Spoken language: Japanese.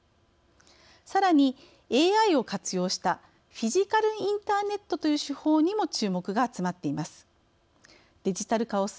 さらにＡＩを活用したフィジカルインターネットという手法にも注目が集まっています。